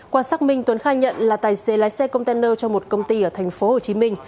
qua xác minh tuấn khai nhận là tài xế lái xe container cho một công ty ở tp hcm